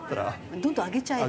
どんどん上げちゃえと？